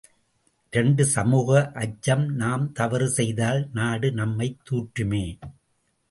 இரண்டு சமூக அச்சம் நாம் தவறு செய்தால் நாடு நம்மைத் தூற்றுமே!